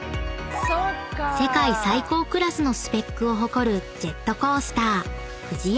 ［世界最高クラスのスペックを誇るジェットコースターＦＵＪＩＹＡＭＡ］